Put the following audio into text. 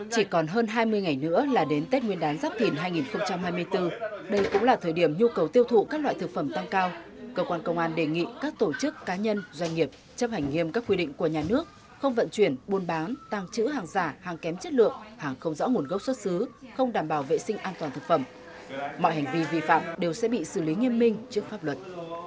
chỉ còn hơn hai mươi ngày nữa là đến tết nguyên đán giáp thìn hai nghìn hai mươi bốn đây cũng là thời điểm nhu cầu tiêu thụ các loại thực phẩm tăng cao cơ quan công an đề nghị các tổ chức cá nhân doanh nghiệp chấp hành nghiêm các quy định của nhà nước không vận chuyển buôn bán tàng trữ hàng giả hàng kém chất lượng hàng không rõ nguồn gốc xuất xứ không đảm bảo vệ sinh an toàn thực phẩm mọi hành vi vi phạm đều sẽ bị xử lý nghiêm minh trước pháp luật